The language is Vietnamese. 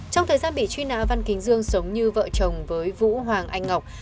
trong thời gian bị truy nã văn kính dương sống như vợ chồng với vũ hoàng anh ngọc